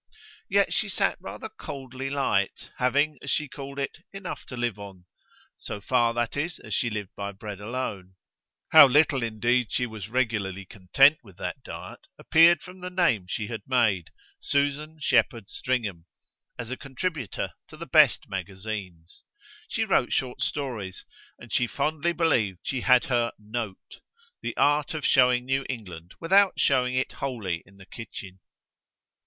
Yet she sat rather coldly light, having, as she called it, enough to live on so far, that is, as she lived by bread alone: how little indeed she was regularly content with that diet appeared from the name she had made Susan Shepherd Stringham as a contributor to the best magazines. She wrote short stories, and she fondly believed she had her "note," the art of showing New England without showing it wholly in the kitchen.